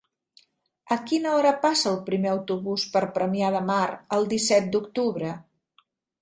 A quina hora passa el primer autobús per Premià de Mar el disset d'octubre?